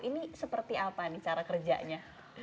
ini seperti apa nih cara kerjanya